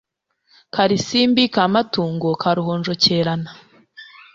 Karisimbi kamatungo ka ruhonjokerana